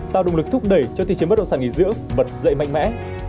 tạo động lực thúc đẩy cho thị trường bất động sản nghỉ dưỡng bật dậy mạnh mẽ